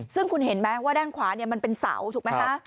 ซึ่งคุณเห็นไหมว่าด้านขวาเนี่ยมันเป็นเสาถูกไหมคะ